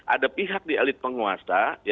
ada pihak di elit penguasa